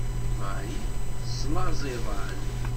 Marie teslaẓ iḍan.